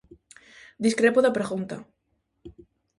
Discrepo da pregunta.